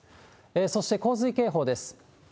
そして洪水警報です。